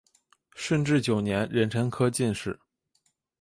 顺治九年壬辰科进士。